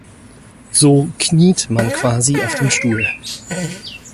So „kniet“ man quasi auf dem Stuhl.